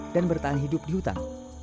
dan bertahan hidup di hutan